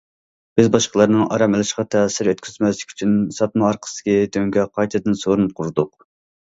بىز باشقىلارنىڭ ئارام ئېلىشىغا تەسىر يەتكۈزمەسلىك ئۈچۈن ساتما ئارقىسىدىكى دۆڭگە قايتىدىن سورۇن قۇردۇق.